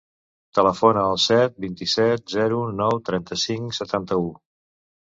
Telefona al set, vint-i-set, zero, nou, trenta-cinc, setanta-u.